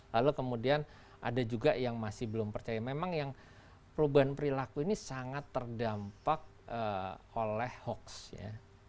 lalu kemudian ada juga yang masih belum percaya memang yang perubahan perilaku ini sangat terdampak oleh hoax ya